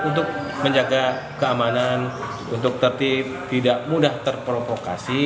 untuk menjaga keamanan untuk tertib tidak mudah terprovokasi